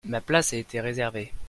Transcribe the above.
Ma place a été réservée.